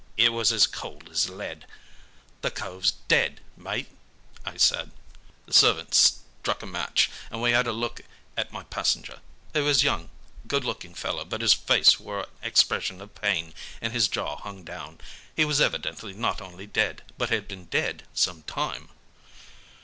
It was as cold as lead. The cove's dead, mate,' I said. "The servant struck a match, and we had a look at my passenger. He was a young, good looking fellow, but his face wore an expression of pain, and his jaw hung down. He was evidently not only dead, but had been dead some time.